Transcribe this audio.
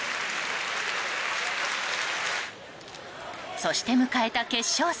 そして迎えた決勝戦。